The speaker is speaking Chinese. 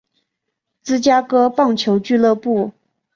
芝加哥棒球俱乐部。